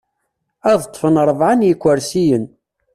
Ad ṭṭfen rebɛa n yikersiyen.